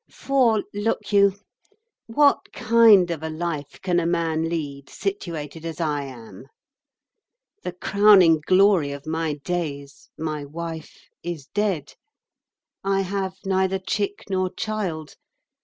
For look you, what kind of a life can a man lead situated as I am? The crowning glory of my days, my wife, is dead. I have neither chick nor child.